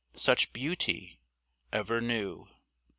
Such beauty ever new.